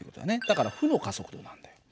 だから負の加速度なんだよ。